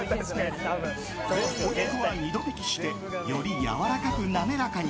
お肉は２度びきしてよりやわらかく滑らかに。